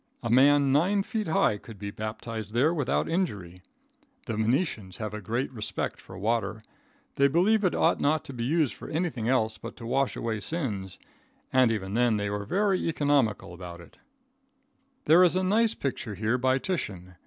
A man nine feet high could be baptized there without injury. The Venetians have a great respect for water. They believe it ought not to be used for anything else but to wash away sins, and even then they are very economical about it. There is a nice picture here by Titian.